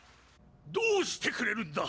どうしてくれるんだ！